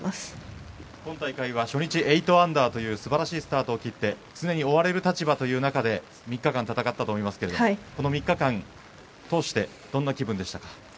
今大会は初日８アンダーという素晴らしいスタートを切ってつねに追われる立場という中で３日間戦ったと思いますがこの３日間通してどんな気分でしたか。